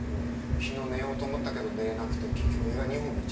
昨日寝ようと思ったけど寝れなくて結局映画２本見ちゃった。